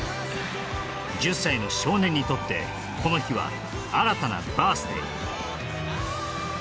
１０歳の少年にとってこの日は新たなバース・デイ